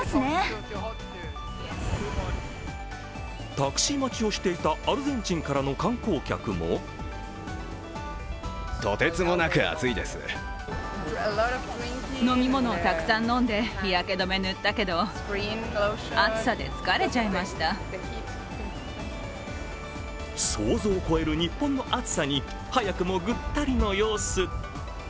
タクシー待ちをしていたアルゼンチンからの観光客も想像を超える日本の暑さに早くもぐったりの様子。